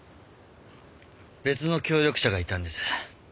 別の協力者がいたんです。